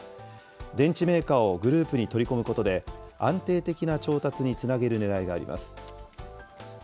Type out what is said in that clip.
電池メーカーをグループに取り込むことで、安定的な調達につなげるねらいがあります。